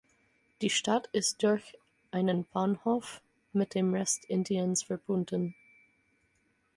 Die Stadt ist durch einen Bahnhof mit dem Rest Indiens verbunden.